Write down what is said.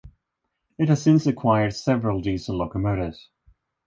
It has since acquired several diesel locomotives.